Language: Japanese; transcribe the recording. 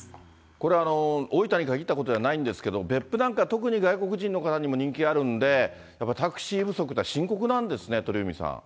これ、大分に限ったことじゃないんですけれども、別府なんか特に外国人の方にも人気あるんで、やっぱりタクシー不足が深刻なんですね、鳥海さん。